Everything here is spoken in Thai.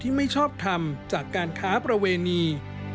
ไม่ชอบทำจากการค้าประเวณี